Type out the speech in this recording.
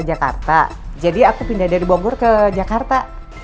jadi aku pindah dari bogor ke jakarta